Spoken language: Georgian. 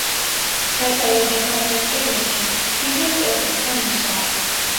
დასავლეთ და სამხრეთ კედლებში თითო სწორკუთხა ნიშაა.